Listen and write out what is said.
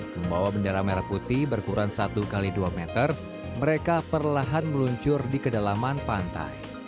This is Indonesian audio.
membawa bendera merah putih berkurang satu x dua meter mereka perlahan meluncur di kedalaman pantai